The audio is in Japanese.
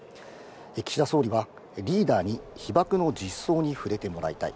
岸田総理はリーダーに被爆の実相に触れてもらいたい。